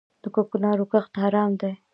د کوکنارو کښت حرام دی؟